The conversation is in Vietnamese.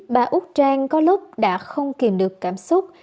bà úc trang có lúc đã không kìm được cảm xúc